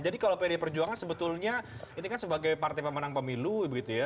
jadi kalau perjuangan sebetulnya ini kan sebagai partai pemenang pemilu begitu ya